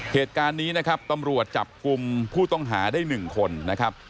เหตุการณ์นี้นะครับตำรวจจับกลุ่มผู้ต้องหาได้๑คนนะครับ